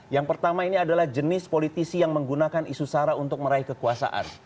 yang pertama ini adalah jenis politisi yang menggunakan isu sara untuk meraih kekuasaan